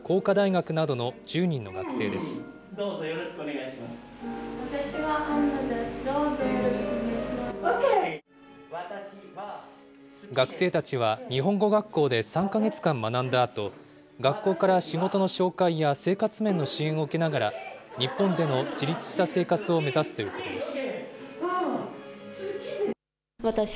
学生たちは日本語学校で３か月間学んだあと、学校から仕事の紹介や生活面の支援を受けながら、日本での自立した生活を目指すということです。